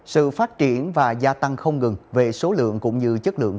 sự phát triển và gia tăng không ngừng về số lượng cũng như chất lượng